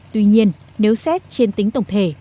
tuy nhiên nếu xét trên tính tổng thể